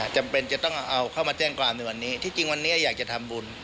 จำเป็นจะต้องเอาเข้ามาแจ้งความในวันนี้ที่จริงวันนี้อยากจะทำบุญ